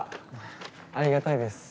ありがたいです。